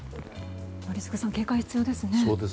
宜嗣さん警戒が必要ですね。